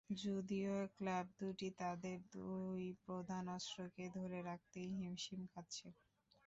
যদিও ক্লাব দুটি তাদের দুই প্রধান অস্ত্রকে ধরে রাখতেই হিমশিম খাচ্ছে।